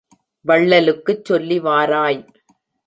வள்ளலுக்குச் சொல்லி வாராய்!